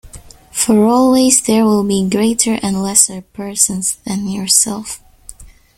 For always there will be greater and lesser persons than yourself.